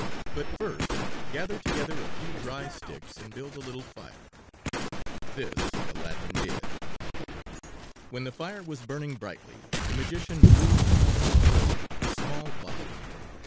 "But first gather together a few dry sticks and build a little fire." This Aladdin did. When the fire was burning brightly the magician drew from under his robe a small box.